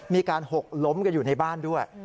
หกล้มกันอยู่ในบ้านด้วย